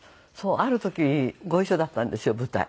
ある時ご一緒だったんですよ舞台。